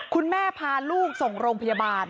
คุณแม่พาลูกส่งโรงพยาบาล๖๕๒